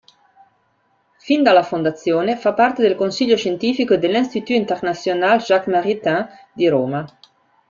Fin dalla fondazione fa parte del consiglio scientifico dell"'Institut International Jacques Maritain" di Roma.